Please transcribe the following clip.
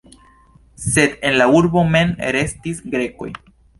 Sed en la urbo mem restis grekoj.